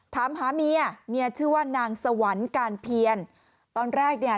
ถามหาเมียเมียชื่อว่านางสวรรค์การเพียรตอนแรกเนี่ย